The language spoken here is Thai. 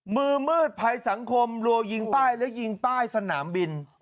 มือมืดภัยสังคมรัวยิงป้ายและยิงป้ายสนามบิน